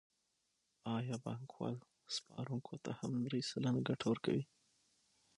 آیا بانکوال سپارونکو ته هم درې سلنه ګټه ورکوي